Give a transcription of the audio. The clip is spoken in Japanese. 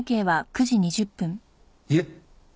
いえ。